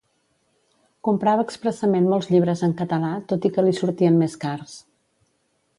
Comprava expressament molts llibres en català tot i que li sortien més cars.